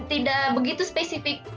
tidak begitu spesifik